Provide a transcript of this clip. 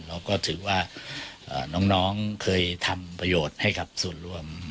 เราก็ถือว่าน้องเคยทำประโยชน์ให้กับส่วนรวม